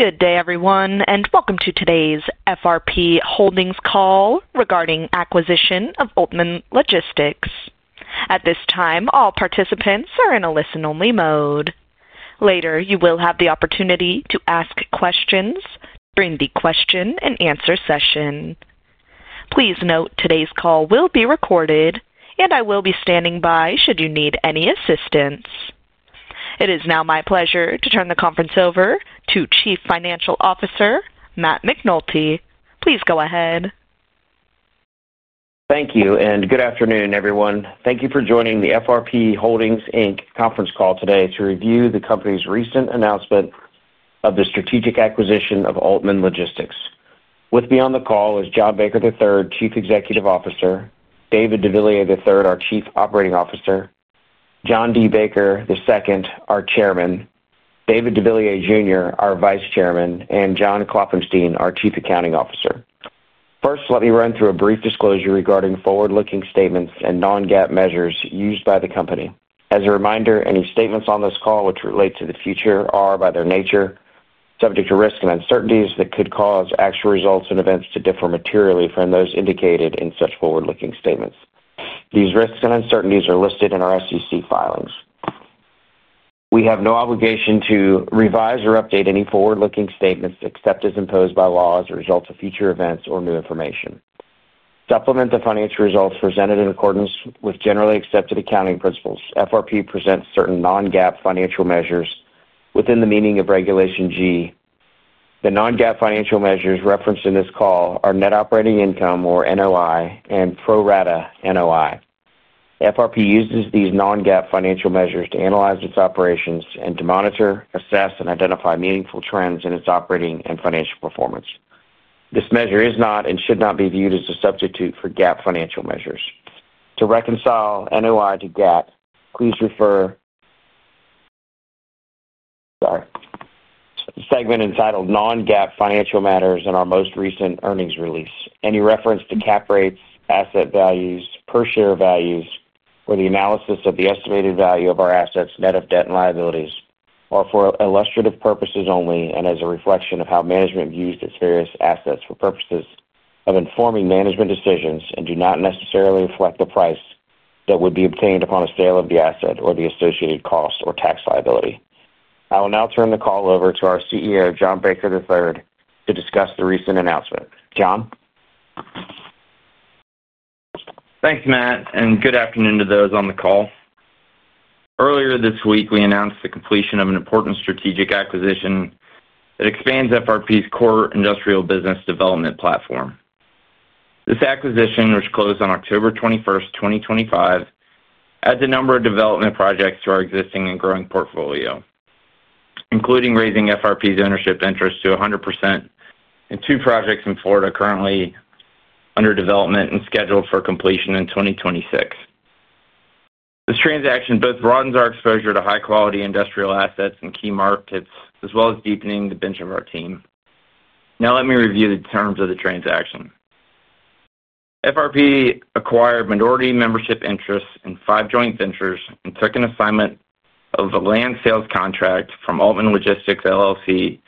Good day, everyone, and welcome to today's FRP Holdings call regarding acquisition of Oatman Logistics. At this time, all participants are in a listen-only mode. Later, you will have the opportunity to ask questions during the question and answer session. Please note today's call will be recorded, and I will be standing by should you need any assistance. It is now my pleasure to turn the conference over to Chief Financial Officer, Matt McNulty. Please go ahead. Thank you, and good afternoon, everyone. Thank you for joining the FRP Holdings Inc. conference call today to review the company's recent announcement of the strategic acquisition of Oatman Logistics. With me on the call is John Baker III, Chief Executive Officer; David deVilliers III, our Chief Operating Officer; John D. Baker II, our Chairman; David deVilliers Jr., our Vice Chairman; and John Klopfenstein, our Chief Accounting Officer. First, let me run through a brief disclosure regarding forward-looking statements and non-GAAP measures used by the company. As a reminder, any statements on this call which relate to the future are, by their nature, subject to risks and uncertainties that could cause actual results and events to differ materially from those indicated in such forward-looking statements. These risks and uncertainties are listed in our SEC filings. We have no obligation to revise or update any forward-looking statements except as imposed by law as a result of future events or new information. Supplement the financial results presented in accordance with generally accepted accounting principles. FRP presents certain non-GAAP financial measures within the meaning of Regulation G. The non-GAAP financial measures referenced in this call are Net Operating Income, or NOI, and Pro Rata NOI. FRP uses these non-GAAP financial measures to analyze its operations and to monitor, assess, and identify meaningful trends in its operating and financial performance. This measure is not and should not be viewed as a substitute for GAAP financial measures. To reconcile NOI to GAAP, please refer to the segment entitled "Non-GAAP Financial Matters" in our most recent earnings release. Any reference to cap rates, asset values, per-share values, or the analysis of the estimated value of our assets, net of debt and liabilities, are for illustrative purposes only and as a reflection of how management views its various assets for purposes of informing management decisions and do not necessarily reflect the price that would be obtained upon a sale of the asset or the associated cost or tax liability. I will now turn the call over to our CEO, John Baker III, to discuss the recent announcement. John? Thanks, Matt, and good afternoon to those on the call. Earlier this week, we announced the completion of an important strategic acquisition that expands FRP's core industrial business development platform. This acquisition, which closed on October 21, 2025, adds a number of development projects to our existing and growing portfolio, including raising FRP's ownership interest to 100% in two projects in Florida currently under development and scheduled for completion in 2026. This transaction both broadens our exposure to high-quality industrial assets and key markets, as well as deepening the bench of our team. Now, let me review the terms of the transaction. FRP acquired minority membership interest in five joint ventures and took an assignment of a land sales contract from Oatman Logistics, LLC,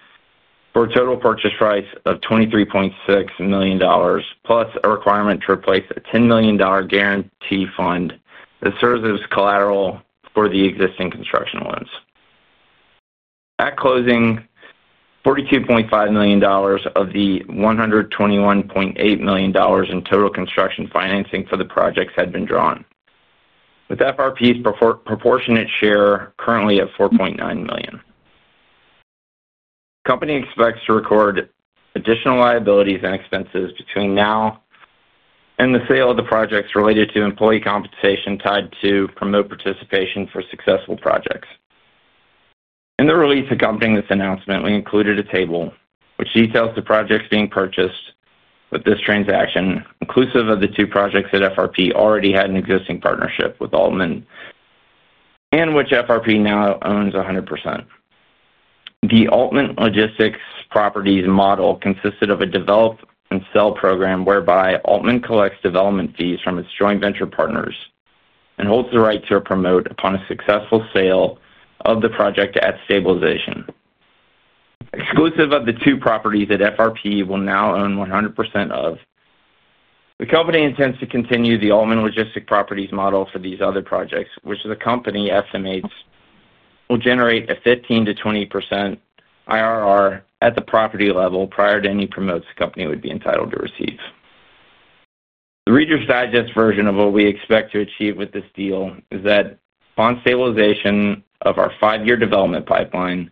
for a total purchase price of $23.6 million, plus a requirement to replace a $10 million guarantee fund that serves as collateral for the existing construction loans. At closing, $42.5 million of the $121.8 million in total construction financing for the projects had been drawn, with FRP's proportionate share currently at $4.9 million. The company expects to record additional liabilities and expenses between now and the sale of the projects related to employee compensation tied to promote participation for successful projects. In the release accompanying this announcement, we included a table which details the projects being purchased with this transaction, inclusive of the two projects that FRP already had an existing partnership with Oatman and which FRP now owns 100%. The Oatman Logistics Properties Model consisted of a develop and sell program whereby Oatman collects development fees from its joint venture partners and holds the right to a promote upon a successful sale of the project at stabilization. Exclusive of the two properties that FRP will now own 100% of, the company intends to continue the Oatman Logistics Properties Model for these other projects, which the company estimates will generate a 15%-20% IRR at the property level prior to any promotes the company would be entitled to receive. The Reader's Digest version of what we expect to achieve with this deal is that upon stabilization of our five-year development pipeline,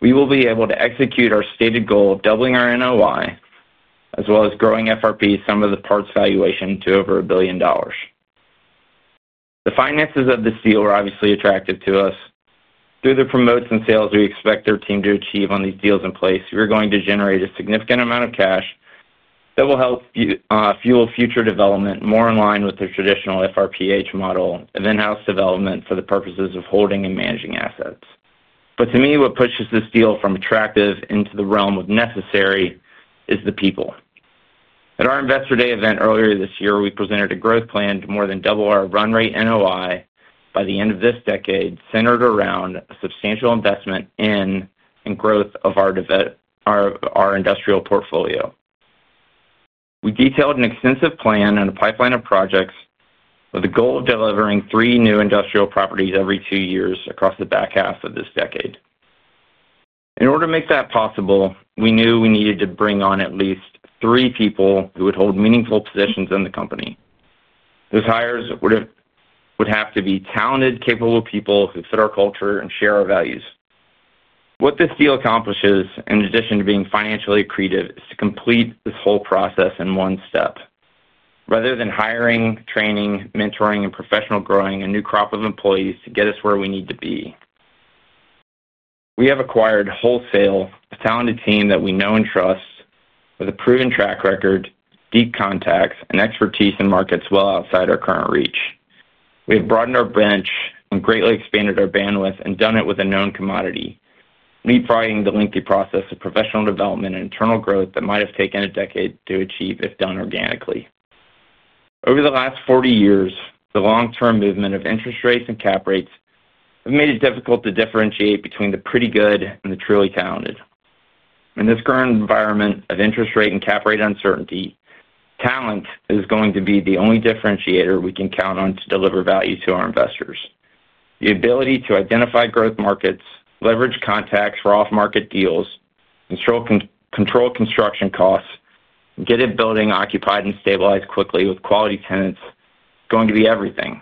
we will be able to execute our stated goal of doubling our NOI, as well as growing FRP's sum-of-the-parts valuation to over a billion dollars. The finances of this deal are obviously attractive to us. Through the promotes and sales we expect our team to achieve on these deals in place, we are going to generate a significant amount of cash that will help fuel future development more in line with the traditional FRP Holdings Inc. model of in-house development for the purposes of holding and managing assets. To me, what pushes this deal from attractive into the realm of necessary is the people. At our Investor Day event earlier this year, we presented a growth plan to more than double our run rate NOI by the end of this decade, centered around a substantial investment in and growth of our industrial portfolio. We detailed an extensive plan and a pipeline of projects with the goal of delivering three new industrial properties every two years across the back half of this decade. In order to make that possible, we knew we needed to bring on at least three people who would hold meaningful positions in the company. Those hires would have to be talented, capable people who fit our culture and share our values. What this deal accomplishes, in addition to being financially creative, is to complete this whole process in one step, rather than hiring, training, mentoring, and professionally growing a new crop of employees to get us where we need to be. We have acquired wholesale a talented team that we know and trust with a proven track record, deep contacts, and expertise in markets well outside our current reach. We have broadened our branch and greatly expanded our bandwidth and done it with a known commodity, mitigating the lengthy process of professional development and internal growth that might have taken a decade to achieve if done organically. Over the last 40 years, the long-term movement of interest rates and cap rates have made it difficult to differentiate between the pretty good and the truly talented. In this current environment of interest rate and cap rate uncertainty, talent is going to be the only differentiator we can count on to deliver value to our investors. The ability to identify growth markets, leverage contacts for off-market deals, control construction costs, and get a building occupied and stabilized quickly with quality tenants is going to be everything.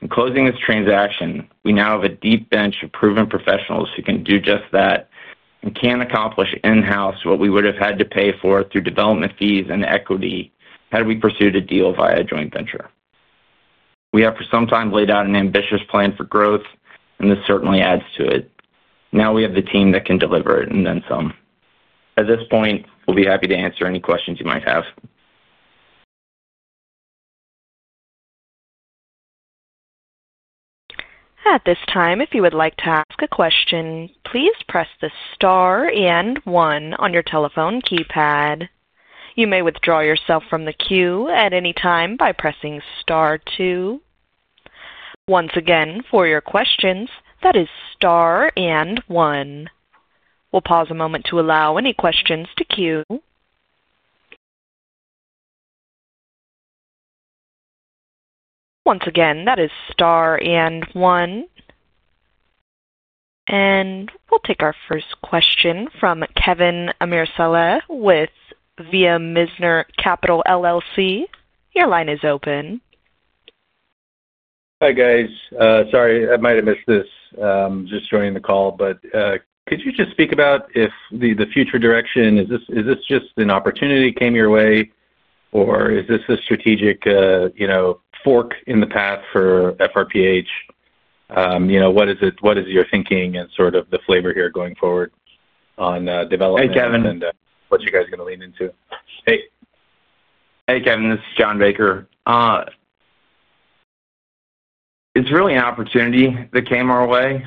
In closing this transaction, we now have a deep bench of proven professionals who can do just that and can accomplish in-house what we would have had to pay for through development fees and equity had we pursued a deal via a joint venture. We have for some time laid out an ambitious plan for growth, and this certainly adds to it. Now we have the team that can deliver it and then some. At this point, we'll be happy to answer any questions you might have. At this time, if you would like to ask a question, please press the star and one on your telephone keypad. You may withdraw yourself from the queue at any time by pressing star two. Once again, for your questions, that is star and one. We'll pause a moment to allow any questions to queue. Once again, that is star and one. We'll take our first question from Kevin Amirsaleh with Via Mizner Capital, LLC. Your line is open. Hi, guys. Sorry, I might have missed this. Just joining the call, but could you just speak about if the future direction, is this just an opportunity that came your way, or is this a strategic, you know, fork in the path for FRPH? You know, what is it, what is your thinking and sort of the flavor here going forward on development and what you guys are going to lean into? Hey. Hey, Kevin. This is John Baker. It's really an opportunity that came our way.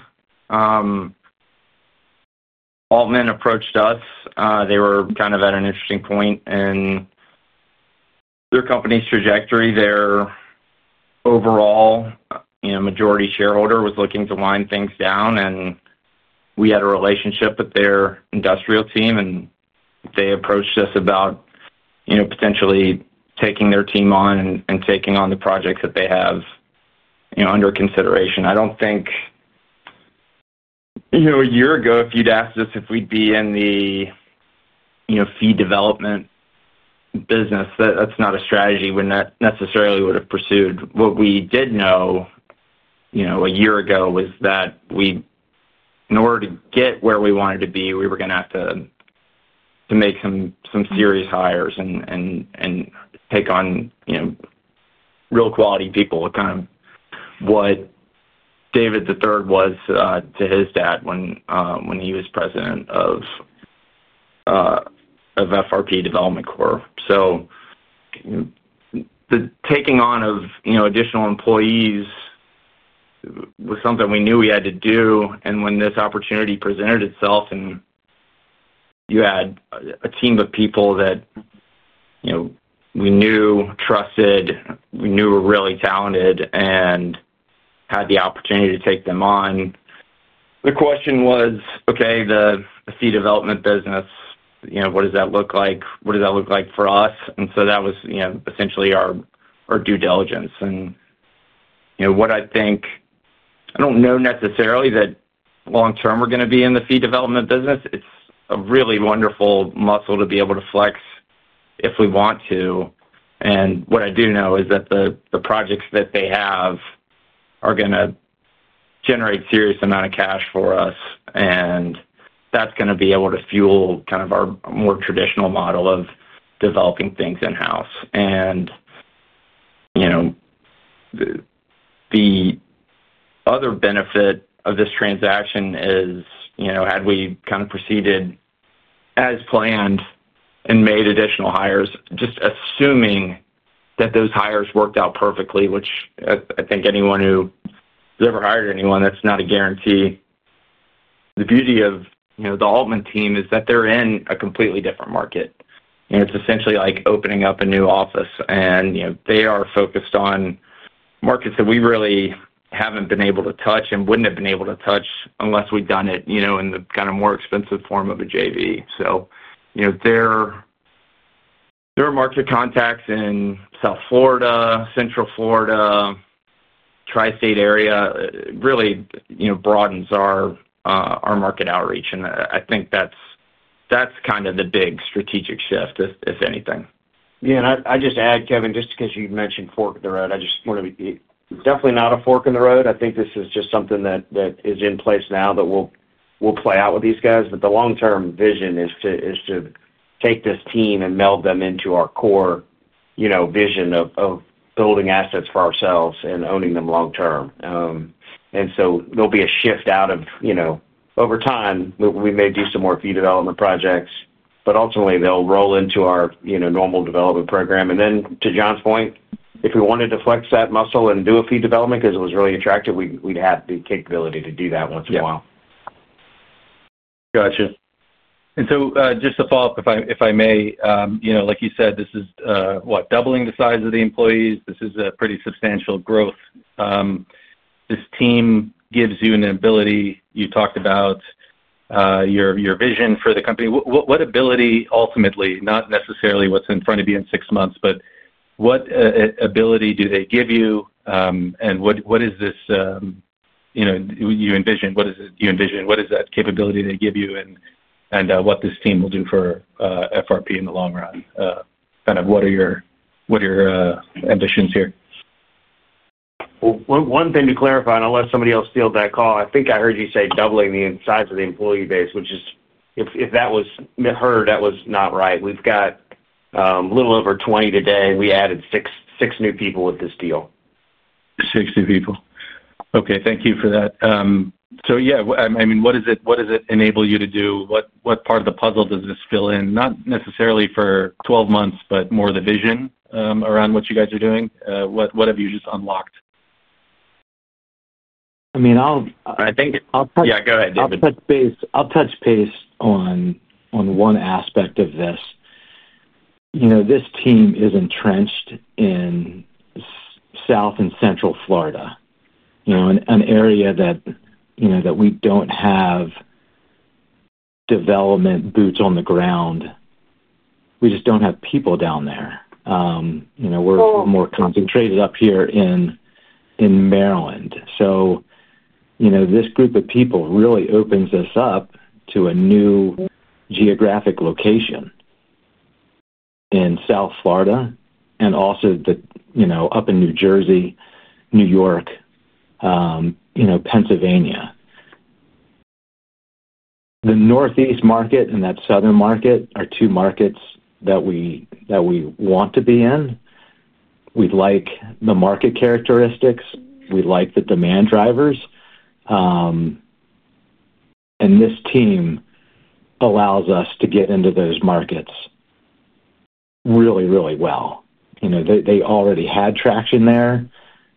Oatman approached us. They were kind of at an interesting point in their company's trajectory. Their overall, you know, majority shareholder was looking to wind things down, and we had a relationship with their industrial team, and they approached us about, you know, potentially taking their team on and taking on the projects that they have under consideration. I don't think, you know, a year ago, if you'd asked us if we'd be in the, you know, fee development business, that that's not a strategy we necessarily would have pursued. What we did know, you know, a year ago was that we, in order to get where we wanted to be, we were going to have to make some serious hires and take on, you know, real quality people, kind of what David deVilliers III was to his dad when he was President of FRP Development Corp. The taking on of, you know, additional employees was something we knew we had to do. When this opportunity presented itself and you had a team of people that, you know, we knew, trusted, we knew were really talented and had the opportunity to take them on, the question was, "Okay, the fee development business, you know, what does that look like? What does that look like for us?" That was, you know, essentially our due diligence. You know, what I think, I don't know necessarily that long-term we're going to be in the fee development business. It's a really wonderful muscle to be able to flex if we want to. What I do know is that the projects that they have are going to generate a serious amount of cash for us, and that's going to be able to fuel kind of our more traditional model of developing things in-house. The other benefit of this transaction is, you know, had we kind of proceeded as planned and made additional hires, just assuming that those hires worked out perfectly, which I think anyone who's ever hired anyone, that's not a guarantee. The beauty of, you know, the Oatman team is that they're in a completely different market. It's essentially like opening up a new office, and you know, they are focused on markets that we really haven't been able to touch and wouldn't have been able to touch unless we'd done it, you know, in the kind of more expensive form of a joint venture. Their market contacts in South and Central Florida, Tri-State area really, you know, broadens our market outreach. I think that's kind of the big strategic shift, if anything. Yeah. I'd just add, Kevin, just because you mentioned fork in the road, I just want to be definitely not a fork in the road. I think this is just something that is in place now that will play out with these guys. The long-term vision is to take this team and meld them into our core vision of building assets for ourselves and owning them long-term. There'll be a shift out of, over time, we may do some more fee development projects, but ultimately, they'll roll into our normal development program. To John's point, if we wanted to flex that muscle and do a fee development because it was really attractive, we'd have the capability to do that once in a while. Gotcha. Just to follow up, if I may, like you said, this is, what, doubling the size of the employees. This is a pretty substantial growth. This team gives you an ability. You talked about your vision for the company. What ability ultimately, not necessarily what's in front of you in six months, but what ability do they give you? What is it you envision? What is that capability they give you and what this team will do for FRP in the long run? Kind of what are your ambitions here? One thing to clarify, unless somebody else steals that call, I think I heard you say doubling the size of the employee base, which is, if that was heard, that was not right. We've got a little over 20 today, and we added six new people with this deal. Okay. Thank you for that. What does it enable you to do? What part of the puzzle does this fill in? Not necessarily for 12 months, but more of the vision around what you guys are doing. What have you just unlocked? I think. I'll touch. Yeah, go ahead, David. I'll touch base on one aspect of this. You know, this team is entrenched in South and Central Florida, an area that we don't have development boots on the ground. We just don't have people down there. You know, we're more concentrated up here in Maryland. This group of people really opens us up to a new geographic location in South Florida and also up in New Jersey, New York, Pennsylvania. The Northeast market and that Southern market are two markets that we want to be in. We like the market characteristics. We like the demand drivers. This team allows us to get into those markets really, really well. They already had traction there,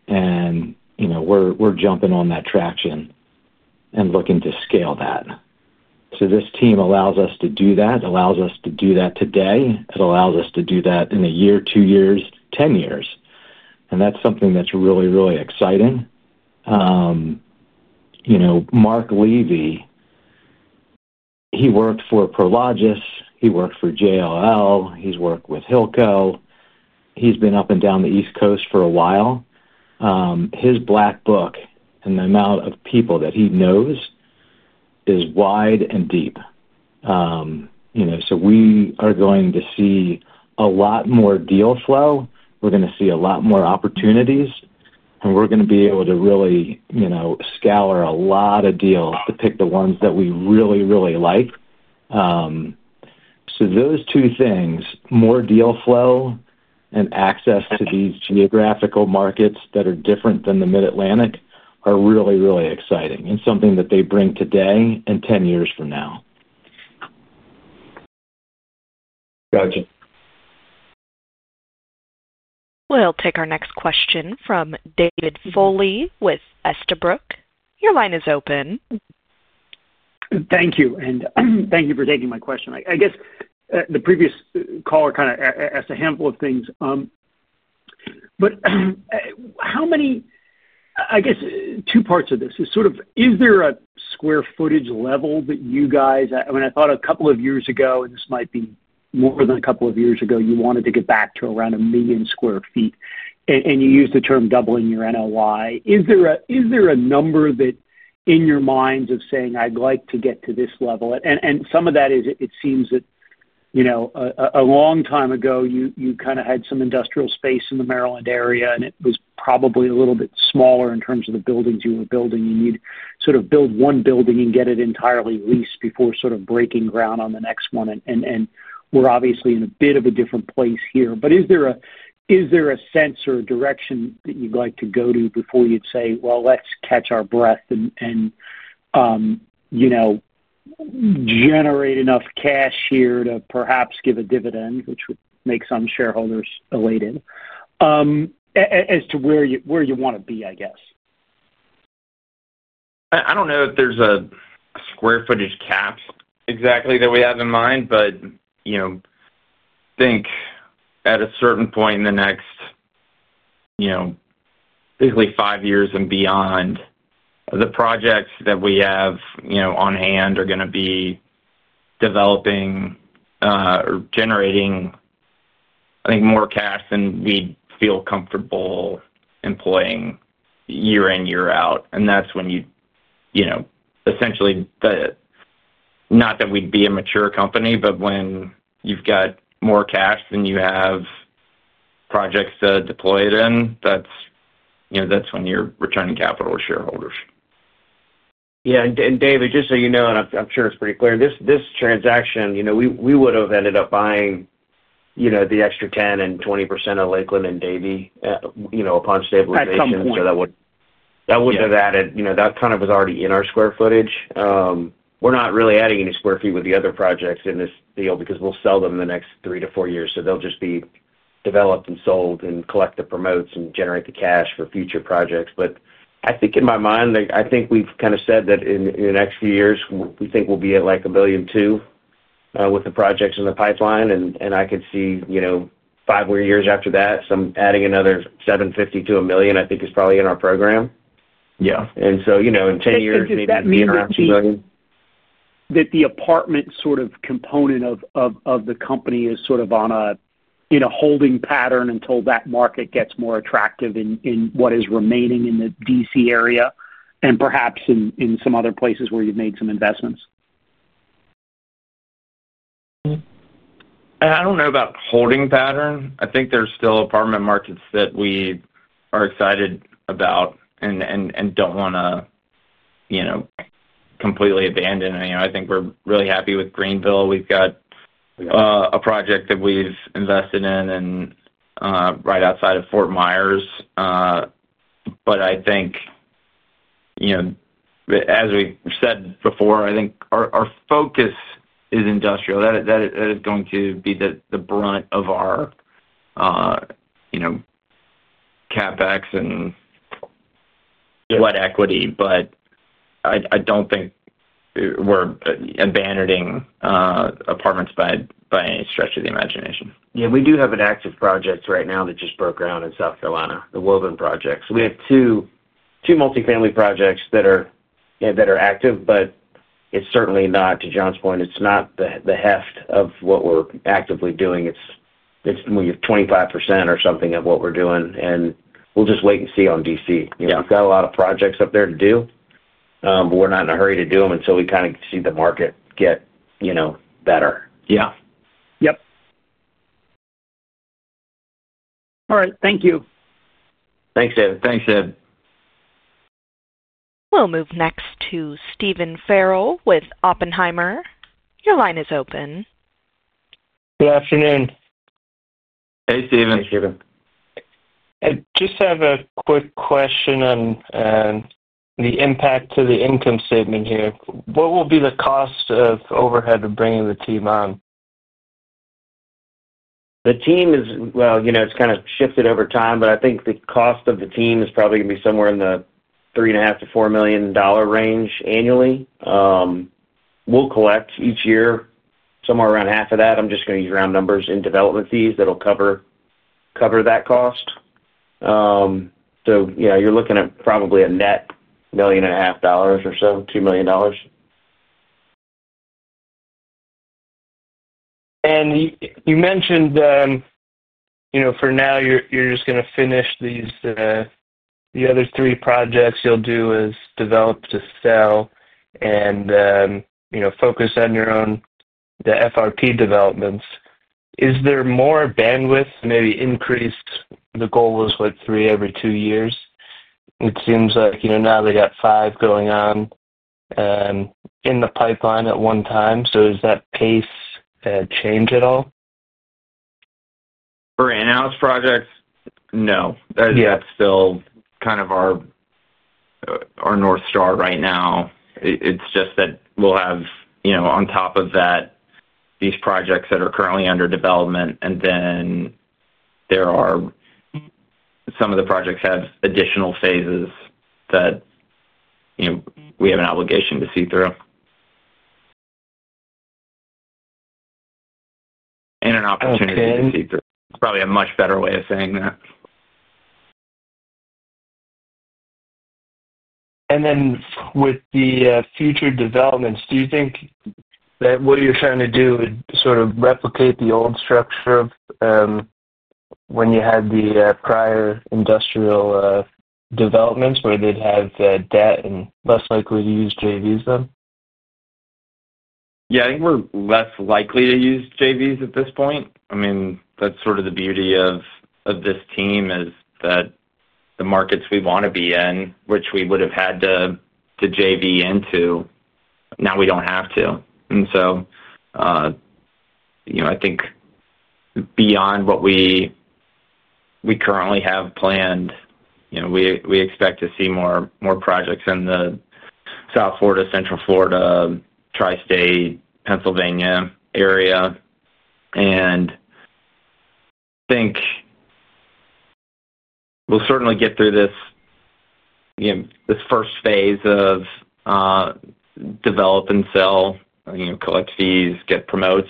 and we're jumping on that traction and looking to scale that. This team allows us to do that. It allows us to do that today. It allows us to do that in a year, two years, 10 years. That's something that's really, really exciting. You know, Mark Levy, he worked for Prologis. He worked for JLL. He's worked with Hillco. He's been up and down the East Coast for a while. His black book and the amount of people that he knows is wide and deep. You know, we are going to see a lot more deal flow. We're going to see a lot more opportunities, and we're going to be able to really scour a lot of deals to pick the ones that we really, really like. Those two things, more deal flow and access to these geographical markets that are different than the Mid-Atlantic, are really, really exciting and something that they bring today and 10 years from now. Gotcha. We'll take our next question from David Foley with Estabrook. Your line is open. Thank you. Thank you for taking my question. I guess the previous caller kind of asked a handful of things. How many, I guess, two parts of this. Is there a square footage level that you guys, I mean, I thought a couple of years ago, and this might be more than a couple of years ago, you wanted to get back to around a million square feet. You used the term doubling your NOI. Is there a number that in your minds of saying, "I'd like to get to this level"? Some of that is it seems that, you know, a long time ago, you kind of had some industrial space in the Maryland area, and it was probably a little bit smaller in terms of the buildings you were building. You'd sort of build one building and get it entirely leased before breaking ground on the next one. We're obviously in a bit of a different place here. Is there a sense or a direction that you'd like to go to before you'd say, "Let's catch our breath and, you know, generate enough cash here to perhaps give a dividend," which would make some shareholders elated, as to where you want to be, I guess? I don't know if there's a square footage cap exactly that we have in mind, but I think at a certain point in the next basically five years and beyond, the projects that we have on hand are going to be developing or generating, I think, more cash than we'd feel comfortable employing year in, year out. That's when essentially, not that we'd be a mature company, but when you've got more cash than you have projects to deploy it in, that's when you're returning capital to shareholders. Yeah. David, just so you know, and I'm sure it's pretty clear, this transaction, you know, we would have ended up buying the extra 10% and 20% of Lakeland and Davie, you know, upon stabilization. That comes in. That would have added, you know, that kind of was already in our square footage. We're not really adding any square feet with the other projects in this deal because we'll sell them in the next three to four years. They'll just be developed and sold and collect the promotes and generate the cash for future projects. I think in my mind, I think we've kind of said that in the next few years, we think we'll be at like $1.2 billion, with the projects in the pipeline. I could see, you know, five more years after that, some adding another $750 million-$1 billion, I think, is probably in our program. In 10 years, we could be at around $2 billion. That the apartment sort of component of the company is sort of in a holding pattern until that market gets more attractive in what is remaining in the DC area and perhaps in some other places where you've made some investments. I don't know about holding pattern. I think there's still apartment markets that we are excited about and don't want to, you know, completely abandon. I think we're really happy with Greenville. We've got a project that we've invested in right outside of Fort Myers. I think, you know, as we said before, I think our focus is industrial. That is going to be the brunt of our CapEx and equity. I don't think we're abandoning apartments by any stretch of the imagination. Yeah. We do have an active project right now that just broke ground in South Carolina, the Woburn project. We have two multifamily projects that are active, but it's certainly not, to John's point, the heft of what we're actively doing. It's 25% or something of what we're doing. We'll just wait and see on DC. We've got a lot of projects up there to do, but we're not in a hurry to do them until we kind of see the market get better. Yeah. All right. Thank you. Thanks, David. Thanks, David. We'll move next to Stephen Farrell with Oppenheimer. Your line is open. Good afternoon. Hey, Stephen. Hey, Stephen. I just have a quick question on the impact to the income statement here. What will be the cost of overhead of bringing the team on? The team is, you know, it's kind of shifted over time, but I think the cost of the team is probably going to be somewhere in the $3.5 million-$4 million range annually. We'll collect each year somewhere around half of that. I'm just going to use round numbers in development fees that'll cover that cost. You're looking at probably a net $1.5 million or so, $2 million. You mentioned, for now, you're just going to finish these, the other three projects you'll do as develop to sell and focus on your own FRP developments. Is there more bandwidth to maybe increase? The goal is, what, three every two years? It seems like now they got five going on in the pipeline at one time. Is that pace change at all? For in-house projects, no. That's still kind of our North Star right now. It's just that we'll have, you know, on top of that, these projects that are currently under development, and then some of the projects have additional phases that, you know, we have an obligation to see through and an opportunity to see through. It's probably a much better way of saying that. With the future developments, do you think that what you're trying to do would sort of replicate the old structure of when you had the prior industrial developments where they'd have debt and less likely to use joint ventures then? Yeah. I think we're less likely to use joint ventures at this point. I mean, that's sort of the beauty of this team is that the markets we want to be in, which we would have had to joint venture into, now we don't have to. I think beyond what we currently have planned, we expect to see more projects in the South and Central Florida, Tri-State, Pennsylvania area. I think we'll certainly get through this first phase of develop and sell, collect fees, get promotes.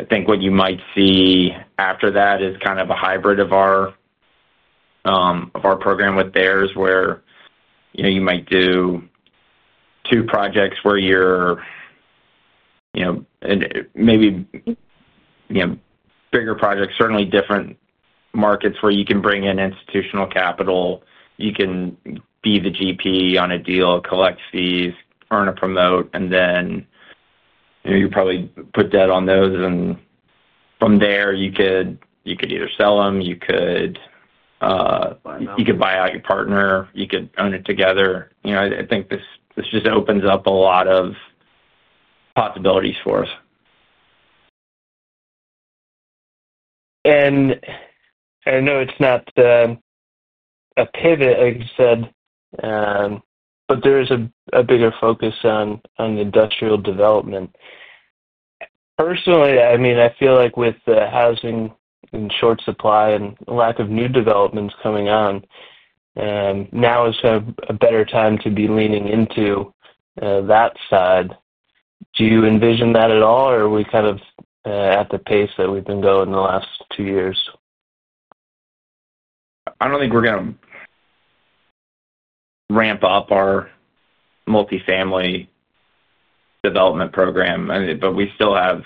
I think what you might see after that is kind of a hybrid of our program with theirs where you might do two projects where you're, and maybe bigger projects, certainly different markets where you can bring in institutional capital. You can be the GP on a deal, collect fees, earn a promote, and then you probably put debt on those. From there, you could either sell them, you could buy out your partner, you could own it together. I think this just opens up a lot of possibilities for us. I know it's not a pivot, like you said, but there is a bigger focus on industrial development. Personally, I feel like with the housing in short supply and lack of new developments coming on, now is kind of a better time to be leaning into that side. Do you envision that at all, or are we kind of at the pace that we've been going in the last two years? I don't think we're going to ramp up our multifamily development program. We still have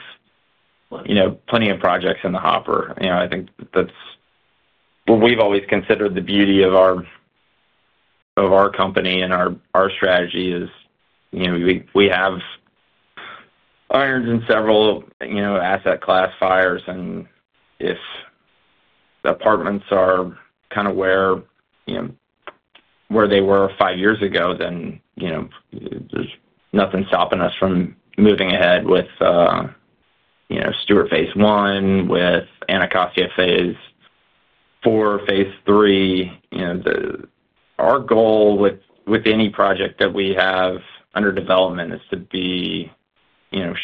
plenty of projects in the hopper. I think that's what we've always considered the beauty of our company and our strategy is, we have irons in several asset class fires. If the apartments are kind of where they were five years ago, there's nothing stopping us from moving ahead with Stewart Phase One, with Anacostia Phase Four, Phase Three. Our goal with any project that we have under development is to be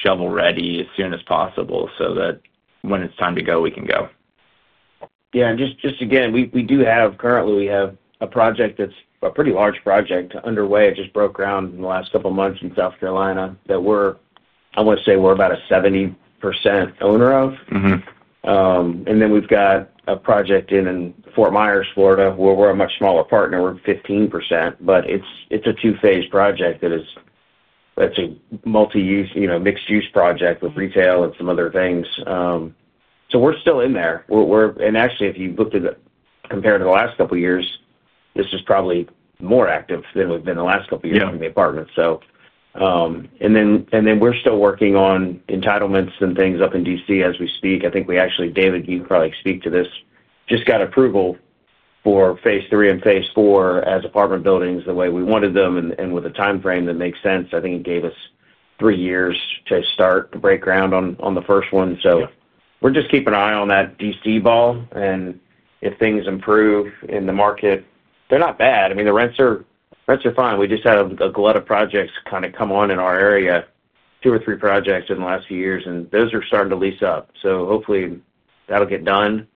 shovel-ready as soon as possible so that when it's time to go, we can go. Yeah. We do have currently, we have a project that's a pretty large project underway. It just broke ground in the last couple of months in South Carolina that we're, I want to say we're about a 70% owner of. Mm-hmm. Then we've got a project in Fort Myers, Florida, where we're a much smaller partner. We're 15%. It's a two-phase project that is a multi-use, mixed-use project with retail and some other things. We're still in there. Actually, if you look compared to the last couple of years, this is probably more active than we've been the last couple of years in the apartments. We're still working on entitlements and things up in DC as we speak. I think we actually, David, you can probably speak to this, just got approval for Phase Three and Phase Four as apartment buildings the way we wanted them and with a timeframe that makes sense. I think it gave us three years to start to break ground on the first one. We're just keeping an eye on that DC ball. If things improve in the market, they're not bad. The rents are fine. We just had a glut of projects come on in our area, two or three projects in the last few years, and those are starting to lease up. Hopefully, that'll get done,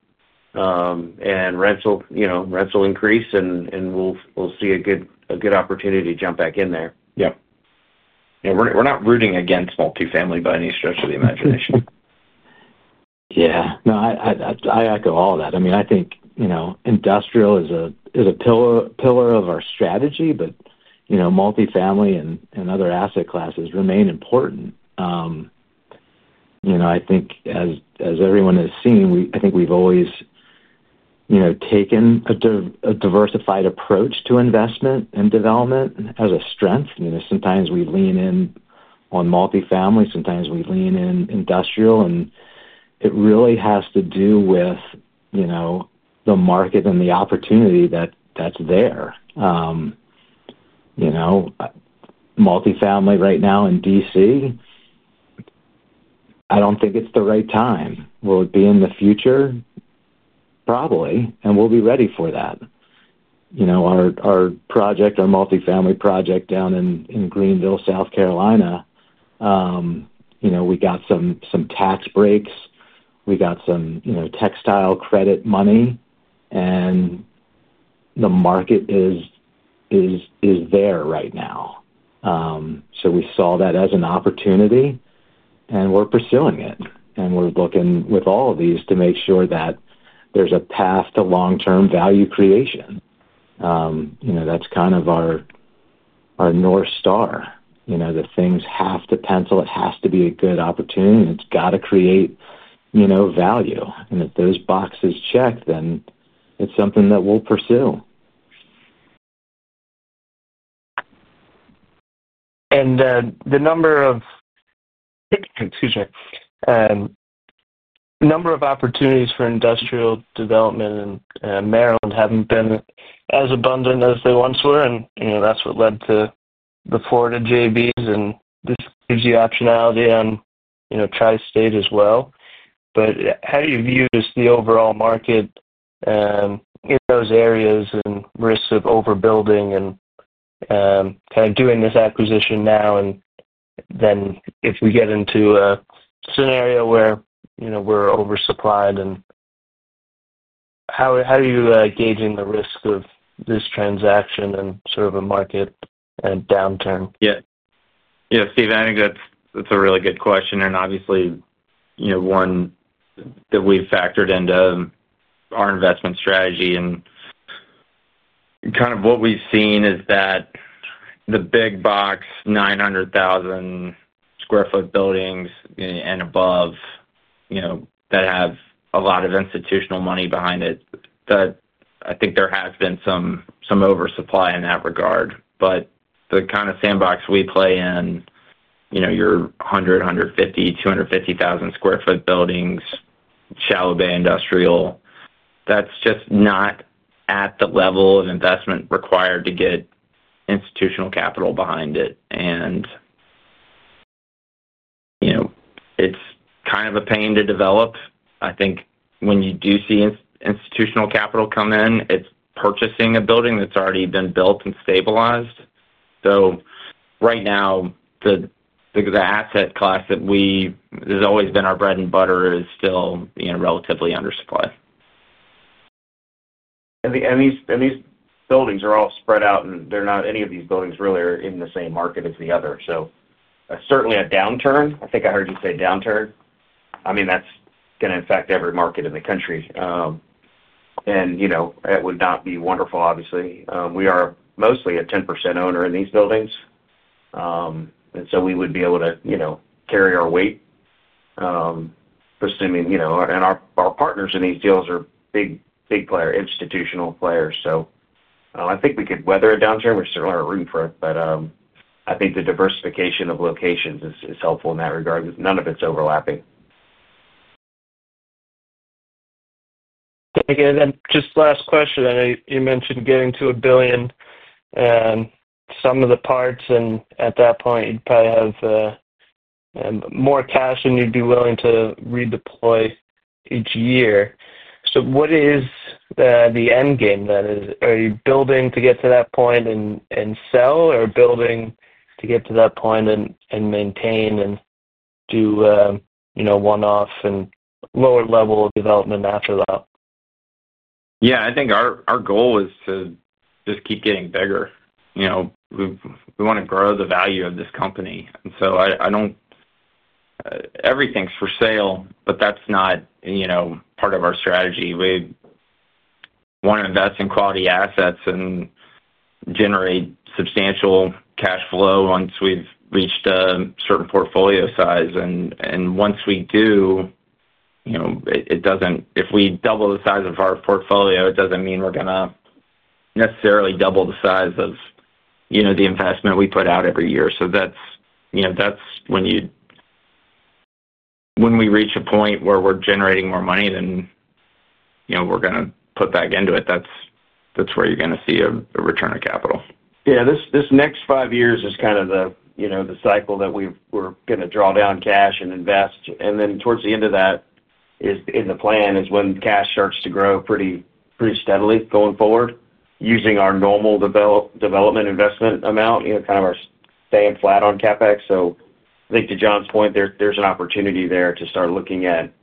and rents will increase, and we'll see a good opportunity to jump back in there. Yeah, we're not rooting against multifamily by any stretch of the imagination. Yeah. No, I echo all that. I mean, I think, you know, industrial is a pillar of our strategy, but, you know, multifamily and other asset classes remain important. I think as everyone has seen, we've always taken a diversified approach to investment and development as a strength. Sometimes we lean in on multifamily, sometimes we lean in industrial, and it really has to do with the market and the opportunity that's there. Multifamily right now in D.C., I don't think it's the right time. Will it be in the future? Probably. We'll be ready for that. Our multifamily project down in Greenville, South Carolina, we got some tax breaks. We got some textile credit money, and the market is there right now. We saw that as an opportunity, and we're pursuing it. We're looking with all of these to make sure that there's a path to long-term value creation. That's kind of our North Star. The things have to pencil. It has to be a good opportunity. It's got to create value. If those boxes check, then it's something that we'll pursue. The number of opportunities for industrial development in Maryland haven't been as abundant as they once were. That's what led to the Florida JVs. This gives you optionality on Tri-State as well. How do you view just the overall market in those areas and risks of overbuilding and kind of doing this acquisition now? If we get into a scenario where we're oversupplied, how are you gauging the risk of this transaction and sort of a market and downturn? Yeah. Yeah, Steve, I think that's a really good question. Obviously, you know, one that we've factored into our investment strategy. Kind of what we've seen is that the big box, 900,000 square foot buildings and above, you know, that have a lot of institutional money behind it, I think there has been some oversupply in that regard. The kind of sandbox we play in, you know, your 100, 150, 250,000 square foot buildings, shallow bay industrial, that's just not at the level of investment required to get institutional capital behind it. You know, it's kind of a pain to develop. I think when you do see institutional capital come in, it's purchasing a building that's already been built and stabilized. Right now, the asset class that has always been our bread and butter is still, you know, relatively undersupplied. These buildings are all spread out, and none of these buildings really are in the same market as the other. Certainly, a downturn—I think I heard you say downturn—is going to affect every market in the country, and it would not be wonderful, obviously. We are mostly a 10% owner in these buildings, and we would be able to carry our weight, and our partners in these deals are big, big players, institutional players. I think we could weather a downturn. We certainly aren't rooting for it, but I think the diversification of locations is helpful in that regard. None of it's overlapping. Again, just last question. I know you mentioned getting to a billion in sum-of-the-parts, and at that point, you'd probably have more cash than you'd be willing to redeploy each year. What is the end game then? Are you building to get to that point and sell or building to get to that point and maintain and do, you know, one-off and lower level of development after that? I think our goal is to just keep getting bigger. We want to grow the value of this company. Everything's for sale, but that's not part of our strategy. We want to invest in quality assets and generate substantial cash flow once we've reached a certain portfolio size. Once we do, if we double the size of our portfolio, it doesn't mean we're going to necessarily double the size of the investment we put out every year. When we reach a point where we're generating more money, then we're going to put back into it. That's where you're going to see a return of capital. Yeah. This next five years is kind of the, you know, the cycle that we're going to draw down cash and invest. Towards the end of that is in the plan is when cash starts to grow pretty, pretty steadily going forward using our normal development investment amount, you know, kind of our staying flat on CapEx. I think to John's point, there's an opportunity there to start looking at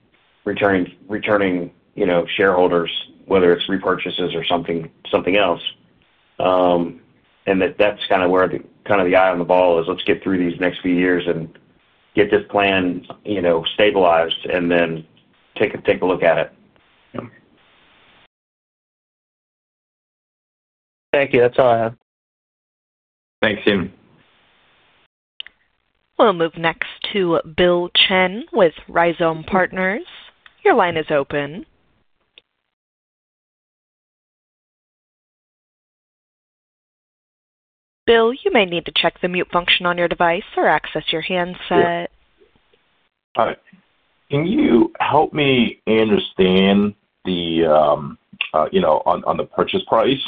returning, you know, shareholders, whether it's repurchases or something else. That's kind of where the eye on the ball is. Let's get through these next few years and get this plan, you know, stabilized and then take a look at it. Yeah. Thank you. That's all I have. Thanks, Stephen. We'll move next to Bill Chen with Rhizome Partners. Your line is open. Bill, you may need to check the mute function on your device or access your handset. All right. Can you help me understand the, you know, on the purchase price?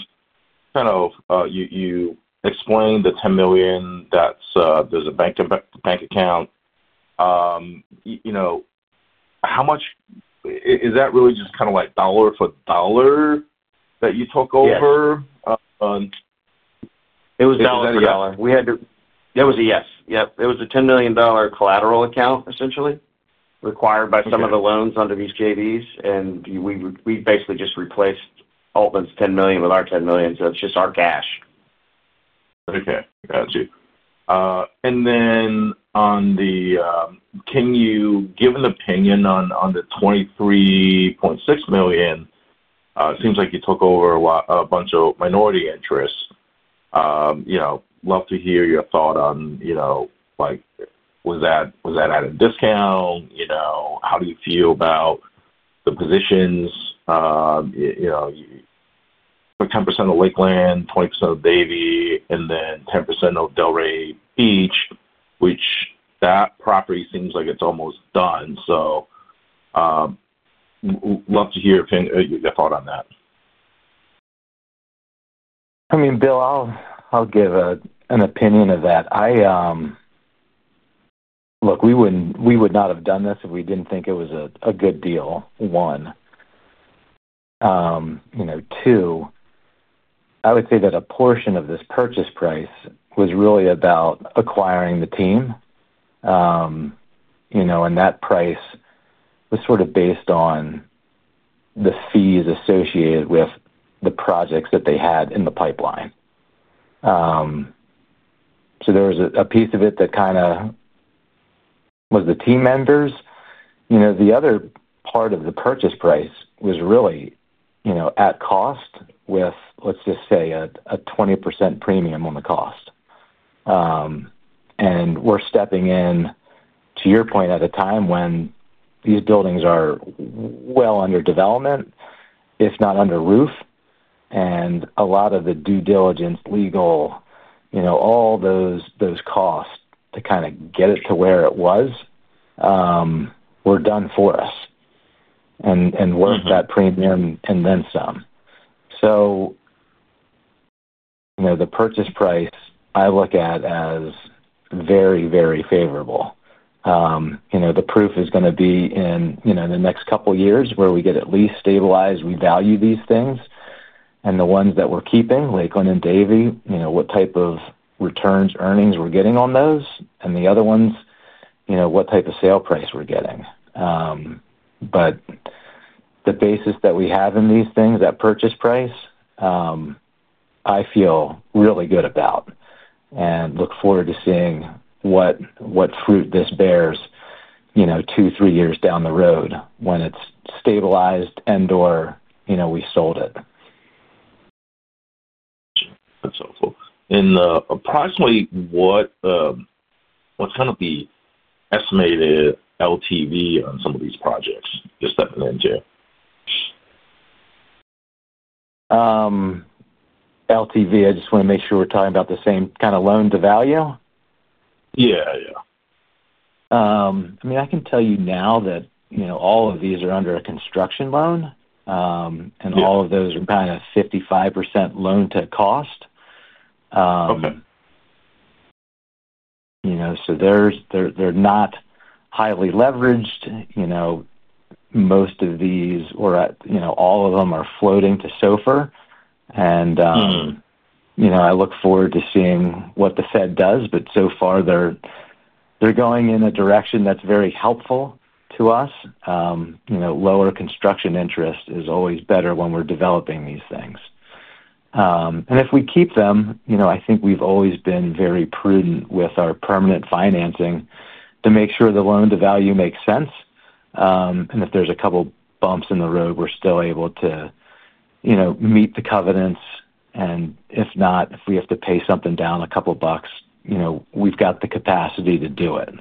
You explained the $10 million. That's, there's a bank account. You know, how much is that really just kind of like dollar for dollar that you took over? Yeah. It was a dollar. That was a yes. Yep. It was a $10 million collateral account, essentially, required by some of the loans under these joint ventures. We basically just replaced Oatman's $10 million with our $10 million, so it's just our cash. Okay. Gotcha. Can you give an opinion on the $23.6 million? It seems like you took over a bunch of minority interests. You know, love to hear your thought on, you know, like was that at a discount? You know, how do you feel about the positions? You put 10% of Lakeland, 20% of Davie, and then 10% of Delray Beach, which that property seems like it's almost done. Love to hear if you have a thought on that. I mean, Bill, I'll give an opinion of that. Look, we wouldn't, we would not have done this if we didn't think it was a good deal, one. You know, two, I would say that a portion of this purchase price was really about acquiring the team. You know, and that price was sort of based on the fees associated with the projects that they had in the pipeline. There was a piece of it that kind of was the team members. The other part of the purchase price was really, you know, at cost with, let's just say, a 20% premium on the cost. We're stepping in to your point at a time when these buildings are well under development, if not under roof. A lot of the due diligence, legal, all those costs to kind of get it to where it was, were done for us and worth that premium and then some. The purchase price I look at as very, very favorable. The proof is going to be in the next couple of years where we get at least stabilized. We value these things. The ones that we're keeping, Lakeland and Davie, you know, what type of returns, earnings we're getting on those. The other ones, you know, what type of sale price we're getting. The basis that we have in these things, that purchase price, I feel really good about and look forward to seeing what fruit this bears, you know, two, three years down the road when it's stabilized and/or, you know, we sold it. That's helpful. Approximately what is the estimated LTV on some of these projects you're stepping into? LTV, I just want to make sure we're talking about the same kind of loan-to-value? Yeah, yeah. I mean, I can tell you now that all of these are under a construction loan, and all of those are kind of a 55% loan-to-cost. Okay. They're not highly leveraged. Most of these, or all of them, are floating to SOFR. I look forward to seeing what the Fed does, but so far, they're going in a direction that's very helpful to us. Lower construction interest is always better when we're developing these things. If we keep them, I think we've always been very prudent with our permanent financing to make sure the loan-to-value makes sense. If there's a couple of bumps in the road, we're still able to meet the covenants. If not, if we have to pay something down a couple of bucks, we've got the capacity to do it.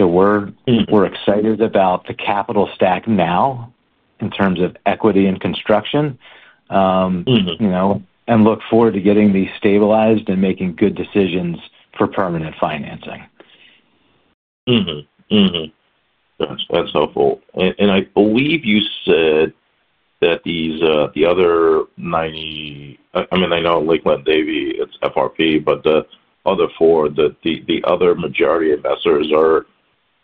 We're excited about the capital stack now in terms of equity and construction, and look forward to getting these stabilized and making good decisions for permanent financing. That's helpful. I believe you said that these, the other 90, I mean, I know Lakeland, Davie, it's FRP, but the other four, the other majority investors are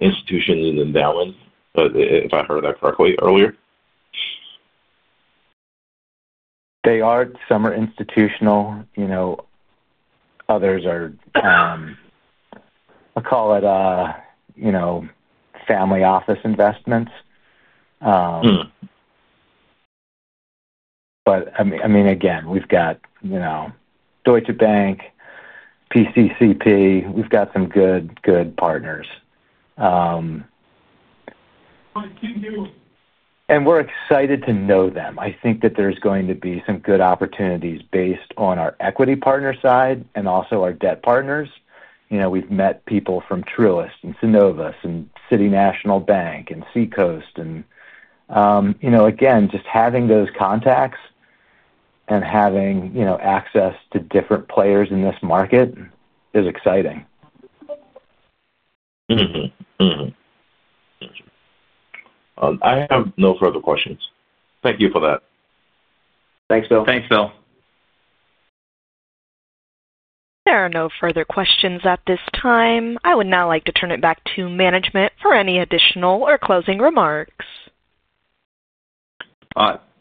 institutions and endowments, if I heard that correctly earlier? They are. Some are institutional. Others are, I call it, family office investments. I mean, again, we've got Deutsche Bank, PCCP. We've got some good, good partners, and we're excited to know them. I think that there's going to be some good opportunities based on our equity partner side and also our debt partners. We've met people from Trilist and Synovus and City National Bank and Seacoast. Just having those contacts and having access to different players in this market is exciting. I have no further questions. Thank you for that. Thanks, Bill. Thanks, Bill. There are no further questions at this time. I would now like to turn it back to management for any additional or closing remarks.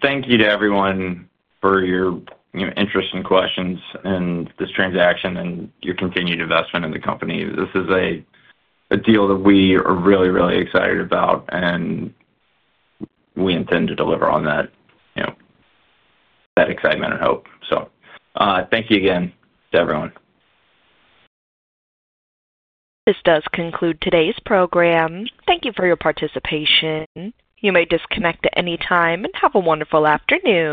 Thank you to everyone for your interest in questions and this transaction and your continued investment in the company. This is a deal that we are really, really excited about, and we intend to deliver on that excitement and hope. Thank you again to everyone. This does conclude today's program. Thank you for your participation. You may disconnect at any time and have a wonderful afternoon.